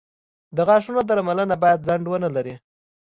• د غاښونو درملنه باید ځنډ ونه لري.